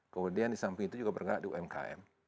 kemudian di samping itu juga bergerak di umkm